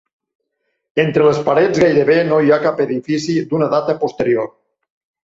Entre les parets gairebé no hi ha cap edifici d'una data posterior.